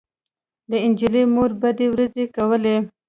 د نجلۍ مور بدې ورځې کولې